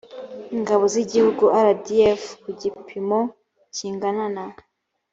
ingabo z igihugu rdf ku gipimo kingana na